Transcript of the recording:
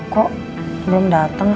kok belum dateng